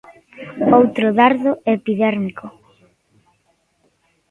Outro dardo epidérmico.